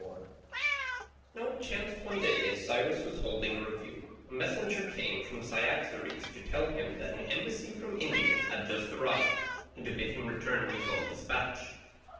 4] Now it chanced one day as Cyrus was holding a review, a messenger came from Cyaxares to tell him that an embassy from India had just arrived, and to bid him return with all despatch.